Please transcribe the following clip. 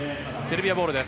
セルビアボールです。